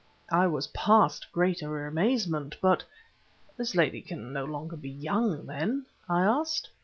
I was past greater amazement; but "This lady can be no longer young, then?" I asked.